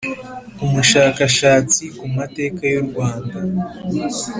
umushakashatsi ku mateka y’u rwanda